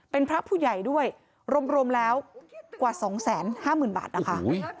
เป็นพระผู้ใหญ่ด้วยรวมแล้วกว่า๒๕๐๐๐บาทนะคะ